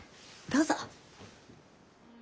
どうぞ。